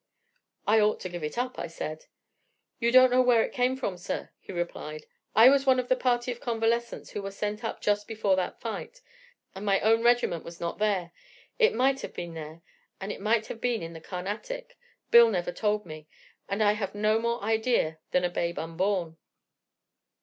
"'I ought to give it up,' I said. "'You don't know where it came from, sir,' he replied. 'I was one of a party of convalescents who were sent up just before that fight, and my own regiment was not there: it might have been here, and it might have been in the Carnatic. Bill never told me, and I have no more idea than a babe unborn.'